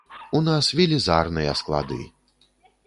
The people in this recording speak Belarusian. У нас велізарныя склады.